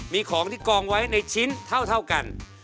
มีของที่กองไว้ในชิ้นเท่ากัน